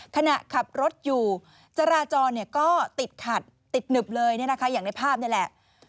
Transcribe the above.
ขณะขับรถอยู่จราจรก็ติดขัดติดหนึบเลยอย่างในภาพนี่แหละ